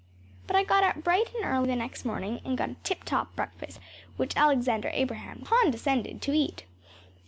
But I got up bright and early the next morning and got a tiptop breakfast, which Alexander Abraham condescended to eat.